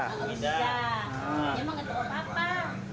dia mau ngetuk apa apa